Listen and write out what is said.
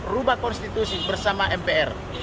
rubah konstitusi bersama mpr